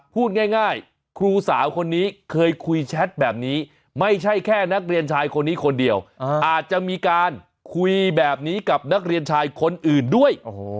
พูดง่ายครูสาวคนนี้เคยคุยแชทแบบนี้ไม่ใช่แค่นักเรียนชายคนนี้คนเดียวอาจจะมีการคุยแบบนี้กับนักเรียนชายคนอื่นด้วย